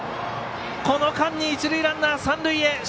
この間に一塁ランナー、三塁へ。